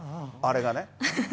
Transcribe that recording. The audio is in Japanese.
あれがね。